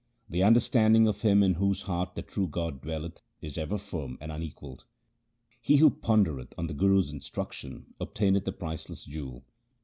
1 The understanding of him in whose heart the true God dwelleth is ever firm and unequalled. He who pondereth on the Guru's instruction obtaineth the priceless jewel.